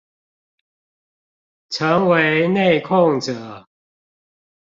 成為內控者